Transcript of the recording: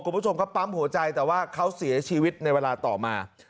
คุณผู้ชมครับปั๊มหัวใจแต่ว่าเขาเสียชีวิตในเวลาต่อมา